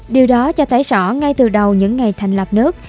điều đó cho thấy rõ ngay từ đầu những ngày thành lập nước